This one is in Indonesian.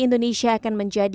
indonesia akan menjadi